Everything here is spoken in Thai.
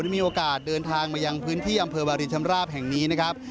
มีโอกาสเดินทางมายังพื้นที่อำเภอวารินชำราบแห่งนี้นะครับ